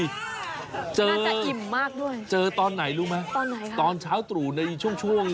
น่าจะอิ่มมากด้วยเจอตอนไหนรู้ไหมตอนไหนตอนเช้าตรู่ในช่วงช่วง